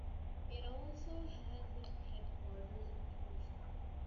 It also has the headquarters of Torstar.